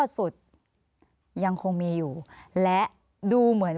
สวัสดีครับทุกคน